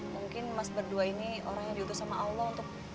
mungkin mas berdua ini orang yang diutus sama allah untuk